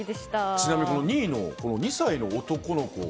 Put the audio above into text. ちなみに、２位の２歳の男の子。